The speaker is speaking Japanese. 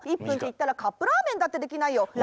１ぷんっていったらカップラーメンだってできないよ。